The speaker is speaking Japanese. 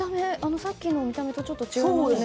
さっきの見た目とちょっと違いますね。